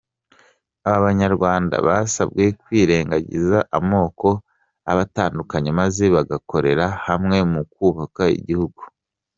Aba banyarwanda basabwe kwirengagiza amoko abatandukanya maze bagakorera hamwe mu kubaka igihugu.